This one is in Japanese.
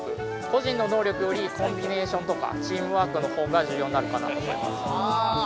個人の能力よりコンビネーションとかチームワークのほうが重要になるかなと思います。